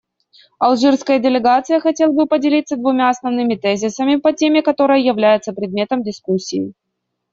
Алжирская делегация хотела бы поделиться двумя основными тезисами по теме, которая является предметом дискуссии.